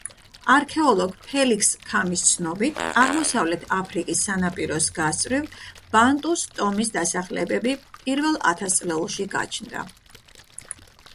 არქეოლოგი ფელიქს ქამის ცნობით აღმოსავლეთ აფრიკის სანაპიროს გასწვრივ ბანტუს ტომის დასახლებები პირველ ათასწლეულში გაჩნდა.